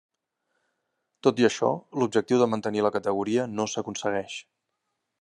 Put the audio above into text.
Tot i això, l’objectiu de mantenir la categoria no s’aconsegueix.